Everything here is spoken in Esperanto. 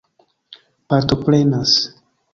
partoprenas